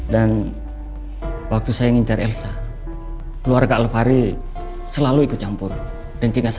dan waktu saya ngincar elsa keluarga alfahri selalu ikut campur dan tinggal saya